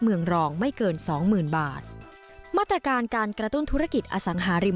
เมืองรองไม่เกินสองหมื่นบาทมาตรการการกระตุ้นธุรกิจอสังหาริม